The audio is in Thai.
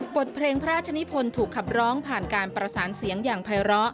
บทเพลงพระราชนิพลถูกขับร้องผ่านการประสานเสียงอย่างภัยร้อ